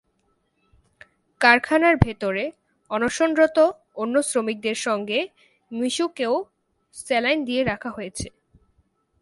কারখানার ভেতরে অনশনরত অন্য শ্রমিকদের সঙ্গে মিশুকেও স্যালাইন দিয়ে রাখা হয়েছে।